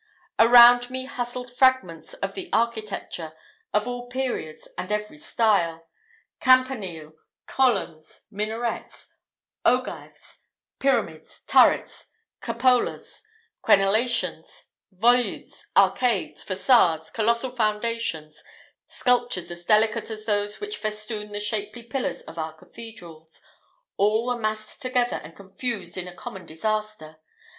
Around me hustled fragments of the architecture of all periods and every style: campaniles, columns, minarets, ogives, pyramids, turrets, cupolas, crenelations, volutes, arcades, façades, colossal foundations, sculptures as delicate as those which festoon the shapely pillars of our cathedrals all were massed together and confused in a common disaster.